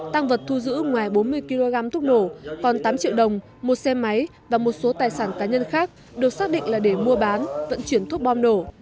tăng vật thu giữ ngoài bốn mươi kg thuốc nổ còn tám triệu đồng một xe máy và một số tài sản cá nhân khác được xác định là để mua bán vận chuyển thuốc bom nổ